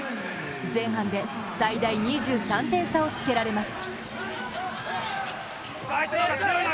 前半で最大２３点差をつけられます。